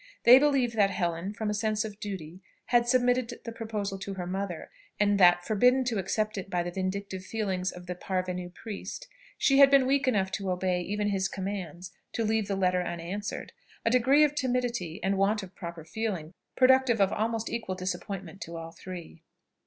They believed that Helen, from a sense of duty, had submitted the proposal to her mother, and that, forbidden to accept it by the vindictive feelings of the "parvenu priest," she had been weak enough to obey even his commands, to leave the letter unanswered a degree of timidity, and want of proper feeling, productive of almost equal disappointment to all three.